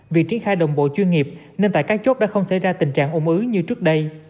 việc triển khai đồng bộ chuyên nghiệp nên tại các chốt đã không xảy ra tình trạng ủng ứ như trước đây